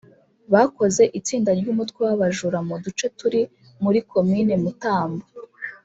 Bakoze itsinda ry’umutwe w’abajura mu duce turi muri Komine Mutambu